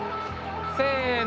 せの！